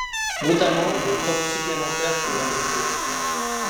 Notamment, des propres supplémentaires furent adoptés.